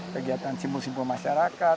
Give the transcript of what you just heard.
kegiatan simpul simpul masyarakat